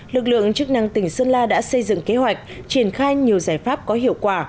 lực lượng chức năng tỉnh sơn la đã xây dựng kế hoạch triển khai nhiều giải pháp có hiệu quả